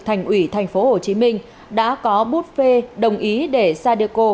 thành ủy thành phố hồ chí minh đã có bút phê đồng ý để xa đưa cô